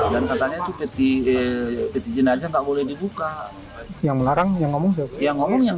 dan katanya itu peti peti jenazah enggak boleh dibuka yang larang yang ngomong yang ngomong yang